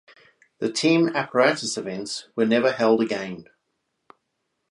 The team apparatus events were never held again.